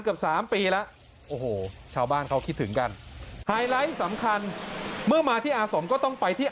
เกือบสามปีแล้วโอ้โหชาวบ้านเขาคิดถึงกันไฮไลท์สำคัญเมื่อมาที่อาสมก็ต้องไปที่